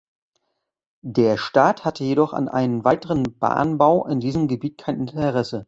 Der Staat hatte jedoch an einem weiteren Bahnbau in diesem Gebiet kein Interesse.